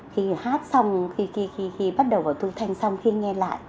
khi hát xong khi bắt đầu vào tôi thanh xong khi nghe lại